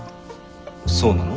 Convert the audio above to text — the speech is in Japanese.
そうなの？